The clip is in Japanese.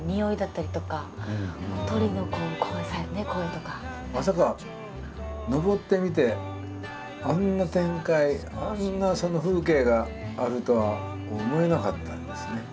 とにかくねまさか登ってみてあんな展開あんな風景があるとは思えなかったんですね。